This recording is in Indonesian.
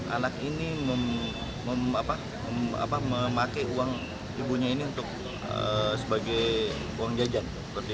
anak ini memakai uang ibunya ini untuk sebagai uang jajan